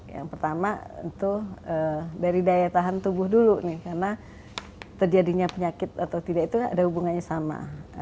yang pertama itu dari daya tahan tubuh dulu nih karena terjadinya penyakit atau tidak itu ada hubungannya sama